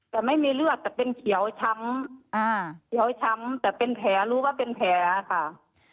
แต่ไม่มีเลือดแต่เป็นเขียวช้ำเขียวช้ำแต่เป็นแผลรู้ว่าเป็นแผลค่ะ